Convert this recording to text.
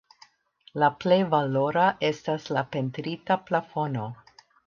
La plej valora estas la pentrita plafono.